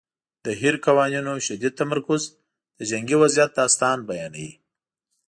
د هیر قوانینو شدید تمرکز د جنګي وضعیت داستان بیانوي.